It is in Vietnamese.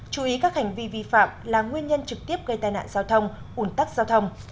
chú ý các hành vi vi phạm là nguyên nhân trực tiếp gây tai nạn giao thông ủn tắc giao thông